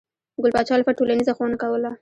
ګل پاچا الفت ټولنیزه ښوونه کوله.